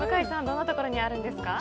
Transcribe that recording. どんなところにあるんですか？